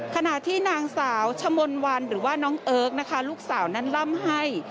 ขณะที่นางสาวชะมนต์วันหรือว่าน้องเอิร์กนะคะลูกสาวนั้นล่ำให้